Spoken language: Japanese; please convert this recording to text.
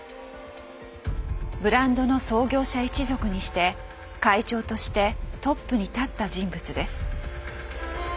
ブランドの創業者一族にして会長としてトップに立った人物です。